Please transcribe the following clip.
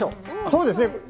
そうですね。